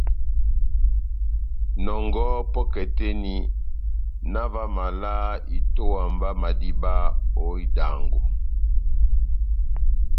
Nɔngɔhɔ pɔ́kɛ tɛ́h eni, na ová omaval a itówa mba madíba ó idango.